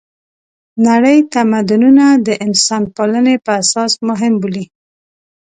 نړۍ تمدونونه د انسانپالنې په اساس مهم بولي.